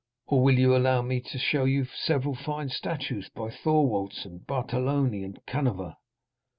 "Or will you allow me to show you several fine statues by Thorwaldsen, Bartoloni, and Canova?